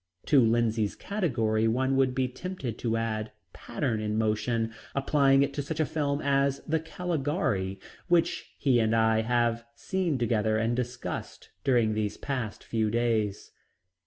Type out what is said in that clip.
To Lindsay's category one would be tempted to add, "pattern in motion," applying it to such a film as the "Caligari" which he and I have seen together and discussed during these past few days.